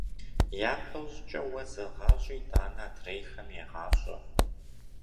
Япэ щӏыкӏэ уэ зэгъащӏи итӏанэ адрейхэм егъащӏэ.